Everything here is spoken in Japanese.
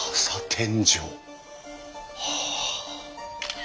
はあ。